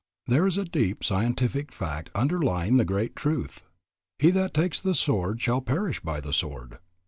There is a deep scientific fact underlying the great truth, "He that takes the sword shall perish by the sword."